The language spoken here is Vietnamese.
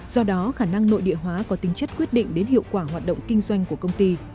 do đó khả năng nội địa hóa có tính chất quyết định đến hiệu quả hoạt động kinh doanh của công ty